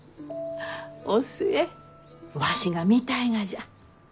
お寿恵わしが見たいがじゃ。